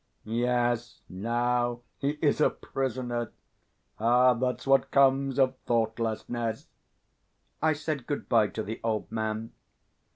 "Yes, now he is a prisoner!... Ah, that's what comes of thoughtlessness!" I said good bye to the old man.